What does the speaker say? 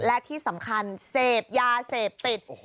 และที่สำคัญเสพยาเสพติด